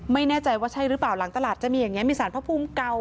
ไม่แน่ใจว่าใช่หรือเปล่าหลังตลาดจะมีอย่างนี้มีสารพระภูมิเก่า